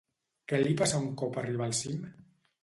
Què li passa un cop arriba al cim?